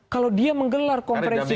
kalau dia menggelar konferensi